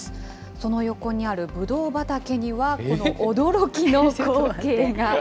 その横にあるブドウ畑には、この驚きの光景が。